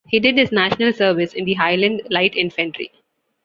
He did his National Service in the Highland Light Infantry.